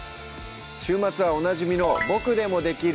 週末はおなじみの「ボクでもできる！